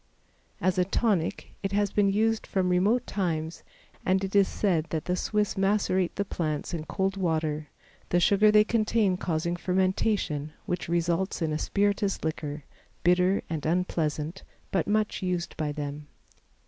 As a tonic, it has been used from remote times and it is said that the Swiss macerate the plants in cold water, the sugar they contain causing fermentation which results in a spirituous liquor, bitter and unpleasant, but much used by them.